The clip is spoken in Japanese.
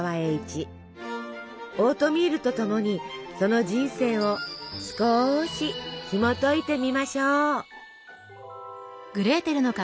オートミールとともにその人生を少しひもといてみましょう。